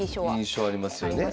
印象ありますよね。